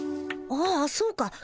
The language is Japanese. ああそうか。